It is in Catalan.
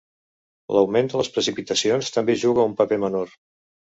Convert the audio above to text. L'augment de les precipitacions també juga un paper menor.